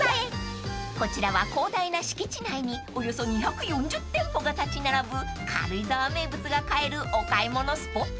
［こちらは広大な敷地内におよそ２４０店舗が立ち並ぶ軽井沢名物が買えるお買い物スポット］